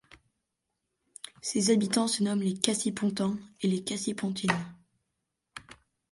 Ses habitants se nomment les Cassipontins et les Cassipontines.